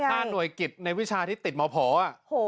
จ่ายค่าโดยกิจในวิชาที่ติดมภอ่ะ